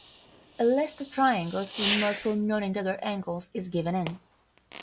A list of triangles with multiple noninteger angles is given in.